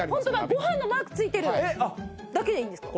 ご飯のマークついてる。だけでいいんですか？